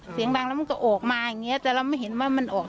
เสียงดังแล้วมันก็ออกมาอย่างเงี้แต่เราไม่เห็นว่ามันออก